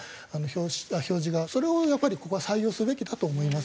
それをやっぱりここは採用すべきだと思います。